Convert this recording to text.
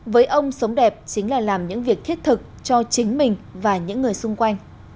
với ông sống đẹp chính là làm những việc thiết thực cho chính mình và những người xung quanh